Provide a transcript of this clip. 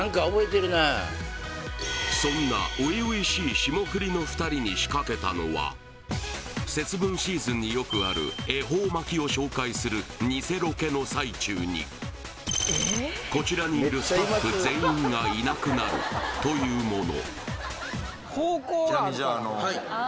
そんな初々しい霜降りの２人に仕掛けたのは節分シーズンによくある恵方巻きを紹介する偽ロケの最中にこちらにいるスタッフというもの